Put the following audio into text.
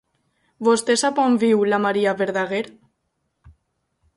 Vostè sap on viu la Maria Verdaguer?